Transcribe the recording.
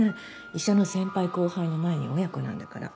医者の先輩後輩の前に親子なんだから。